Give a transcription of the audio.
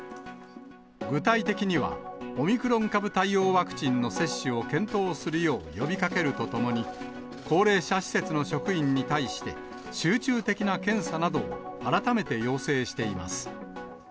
具体的には、オミクロン株対応ワクチンの接種を検討するよう呼びかけるとともに、高齢者施設の職員に対して、集中的な検査などを改めて要請しています。